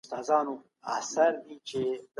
په ټولنه کي بايد آرامي شتون ولري.